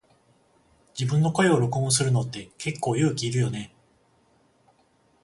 自分の声を登録するのって結構勇気いるよね。